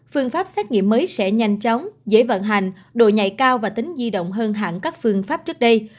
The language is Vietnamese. phương pháp xét nghiệm mới sẽ nhanh chóng dễ vận hành độ nhạy cao và tính di động hơn hẳn các phương pháp trước đây